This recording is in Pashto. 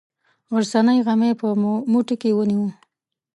غرڅنۍ غمی په موټي کې ونیوه.